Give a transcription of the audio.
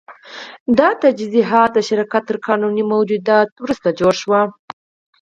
دا تجهیزات د شرکت تر قانوني موجودیت وروسته جوړ شول